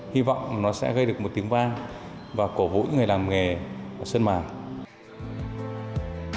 hy vọng nó sẽ gây được một tiếng vang và cổ vũ những người làm nghề ở sơn màng